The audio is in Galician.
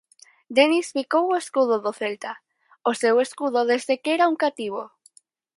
Denis bicou o escudo do Celta, o seu escudo desde que era un cativo.